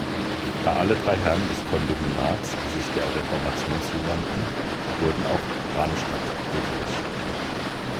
Da alle drei Herren des Kondominats sich der Reformation zuwandten, wurde auch Ranstadt lutherisch.